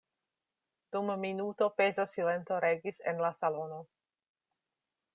Dum minuto peza silento regis en la salono.